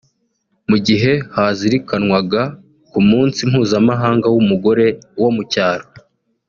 Mu gihe hazirikanwaga ku munsi mpuzamahanga w’umugore wo mu cyaro